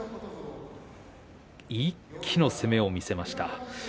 一気の攻めを見せました。